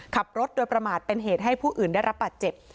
ขับรถโดยประมาทเป็นเหตุให้ผู้อื่นได้รับบาดเจ็บ